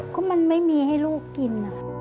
ก็มันไม่มีให้ลูกกิน